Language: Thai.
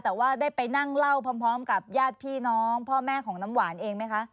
แต่ว่าได้ไปนั่งเล่าพร้อมกับญาติพี่น้องพ่อแม่ของน้ำหวานเองไหมคะ